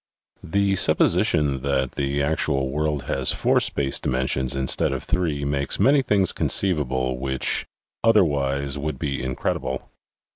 The supposition that the actual world has four space dimensions instead of three makes many things conceivable which otherwise would be incredible.